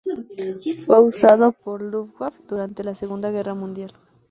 Fue usado por la "Luftwaffe" durante la Segunda Guerra Mundial.